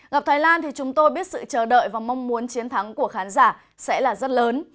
gặp thái lan thì chúng tôi biết sự chờ đợi và mong muốn chiến thắng của khán giả sẽ là rất lớn